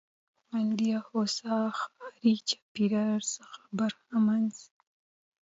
خوندي او هوسا ښاري چاپېريال څخه برخمن سي.